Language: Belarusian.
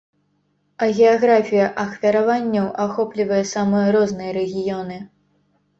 А геаграфія ахвяраванняў ахоплівае самыя розныя рэгіёны.